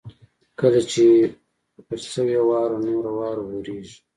کله چې پر شوې واوره نوره واوره ورېږي